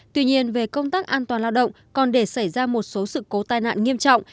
tuy nhiên về công tác an toàn lao động còn để xảy ra một số sự cố tai nạn nghiêm trọng